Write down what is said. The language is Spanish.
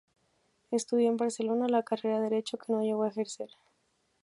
Estudió en Barcelona la carrera de Derecho, que no llegó a ejercer.